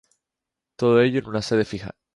Todo ello en una sede fija.